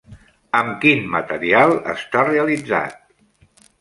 Amb quin material està realitzat?